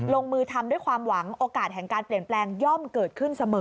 ลงมือทำด้วยความหวังโอกาสแห่งการเปลี่ยนแปลงย่อมเกิดขึ้นเสมอ